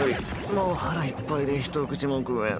もう腹いっぱいでひと口も食えん。